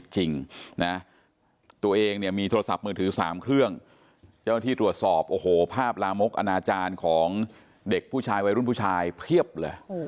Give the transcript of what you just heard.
ตรวจสอบภาพลามกอณาจารย์ของเด็กผู้ชายวัยรุ่นผู้ชายเพียบเลย